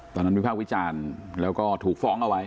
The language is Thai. วิภาควิจารณ์แล้วก็ถูกฟ้องเอาไว้